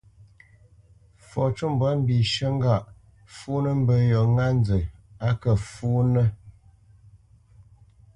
Fɔ cû mbwǎ mbishə̂ ŋgâʼ fúnə̄ mbə yo á kə́ fúnə̄ mbə yě ŋá nzə.